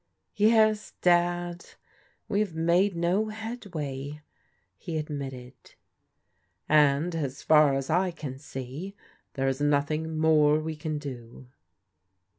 " Yes, Dad, we have made no headway," he admitted. " And as far as I can see, there is nothing more we can do."